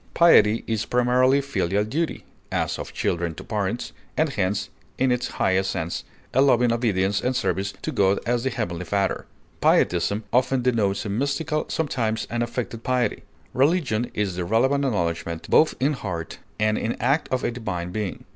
Piety is primarily filial duty, as of children to parents, and hence, in its highest sense, a loving obedience and service to God as the Heavenly Father; pietism often denotes a mystical, sometimes an affected piety; religion is the reverent acknowledgment both in heart and in act of a divine being.